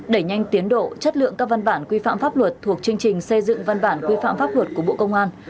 đẩy nhanh tiến độ chất lượng các văn bản quy phạm pháp luật thuộc chương trình xây dựng văn bản quy phạm pháp luật của bộ công an